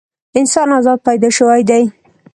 انسان ازاد پیدا شوی دی.